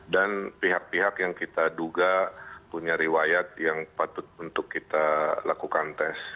dan pihak pihak yang kita duga punya riwayat yang patut untuk kita lakukan tes